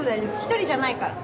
１人じゃないから。